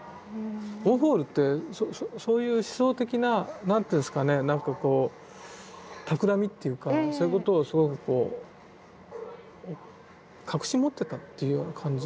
ウォーホルってそういう思想的な何ていうんですかねなんかこうたくらみっていうかそういうことをすごくこう隠し持ってたっていうような感じなんですかね。